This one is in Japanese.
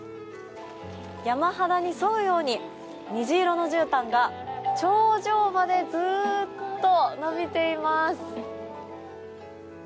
山肌に沿うように虹色のじゅうたんが頂上までずっと延びています。